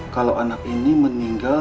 kalau anak ini meninggal